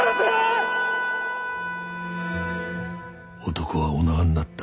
男はお縄になった。